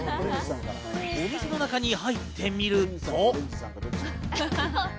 お店の中に入ってみると。